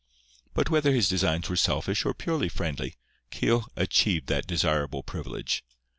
But whether his designs were selfish or purely friendly, Keogh achieved that desirable privilege.